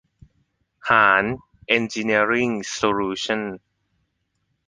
หาญ เอ็นจิเนียริ่ง โซลูชั่นส์